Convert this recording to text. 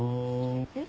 えっ？